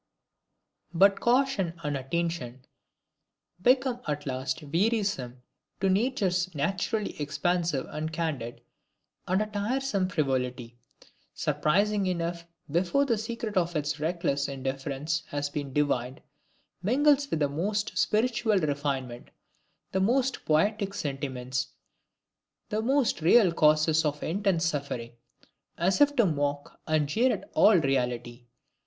But caution and attention become at last wearisome to natures naturally expansive and candid, and a tiresome frivolity, surprising enough before the secret of its reckless indifference has been divined, mingles with the most spiritual refinement, the most poetic sentiments, the most real causes for intense suffering, as if to mock and jeer at all reality.